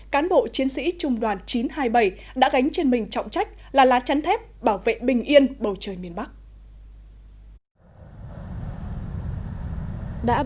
cán bộ chiến sĩ trung đoàn chín trăm hai mươi bảy đã gánh trên mình trọng trách là lá chắn thép bảo vệ bình yên bầu trời miền bắc